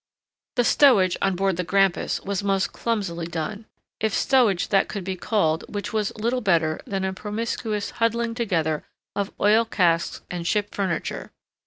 The stowage on board the Grampus was most clumsily done, if stowage that could be called which was little better than a promiscuous huddling together of oil casks {*1} and ship furniture.